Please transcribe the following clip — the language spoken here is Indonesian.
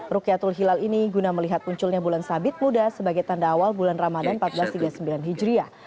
rukyatul hilal ini guna melihat munculnya bulan sabit muda sebagai tanda awal bulan ramadan seribu empat ratus tiga puluh sembilan hijriah